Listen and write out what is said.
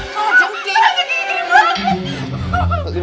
jangan kekir kir banget